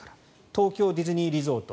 東京ディズニーリゾート